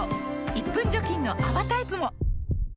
１分除菌の泡タイプも！